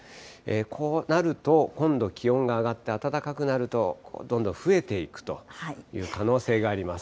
こうなると、今度気温が上がって暖かくなると、どんどん増えていくという可能性があります。